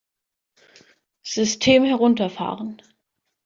System herunterfahren!